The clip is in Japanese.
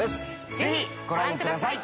ぜひご覧ください！